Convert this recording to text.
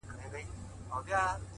چا زر رنگونه پر جهان وپاشل چيري ولاړئ؛